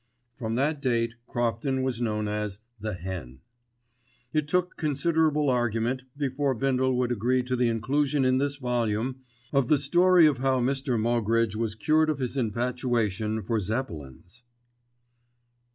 From that date Crofton was known as "the Hen." It took considerable argument before Bindle would agree to the inclusion in this volume of the story of how Mr. Moggridge was cured of his infatuation for Zeppelins.